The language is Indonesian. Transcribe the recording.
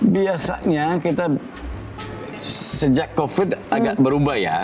biasanya kita sejak covid agak berubah ya